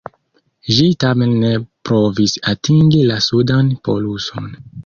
Ĝi tamen ne provis atingi la sudan poluson.